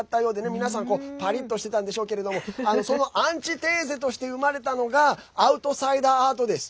皆さん、パリッとしてたんでしょうけれどもそのアンチテーゼとして生まれたのがアウトサイダーアートです。